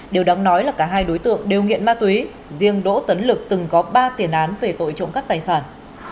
điều đáng nói là cả hai đối tượng đều nghiện ma túy riêng đỗ tấn lực từng có ba tiền án về tội trộm cắp tài sản